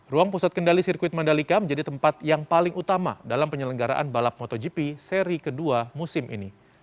ruang pusat kendali sirkuit mandalika menjadi tempat yang paling utama dalam penyelenggaraan balap motogp seri kedua musim ini